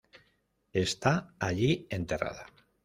Está allí enterrada.